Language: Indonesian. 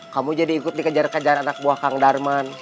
kamu jadi ikut dikejar kejaran anak buah kang darman